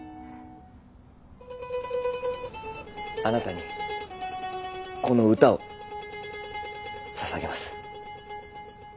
あなたにこの歌を捧げます。